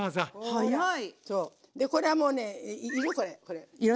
早い。